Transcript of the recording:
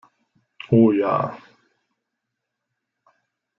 Oh ja!